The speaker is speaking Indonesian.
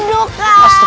ini lagi merduka